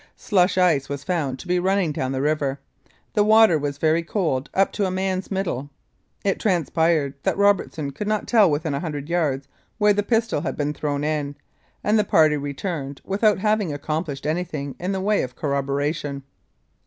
Slush ice was found to be running down the river. The water was very cold and up to a man's middle. It transpired that Robertson could not tell within a hundred yards where the pistol had been thrown in, and the party returned without having accomplished anything in the way of corroboration.